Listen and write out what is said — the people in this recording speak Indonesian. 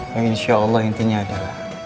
yang insya allah intinya adalah